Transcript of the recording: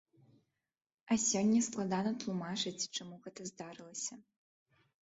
А сёння складна тлумачаць, чаму гэта здарылася.